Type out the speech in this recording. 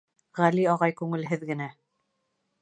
Ғәли ағай күңелһеҙ генә: